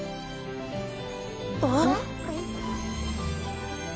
あっ！？